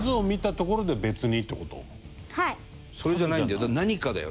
それじゃないんだよ。